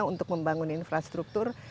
untuk membangun infrastruktur